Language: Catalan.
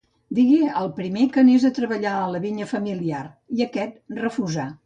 Digué al primer que anés a treballar a la vinya familiar i aquest refusà.